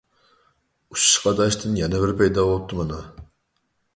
ئۇششۇق ئاداشتىن يەنە بىرى پەيدا بوپتۇ مانا!